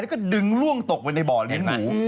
แล้วก็ดึงล่วงตกไปในบ่อเลี้ยงหมู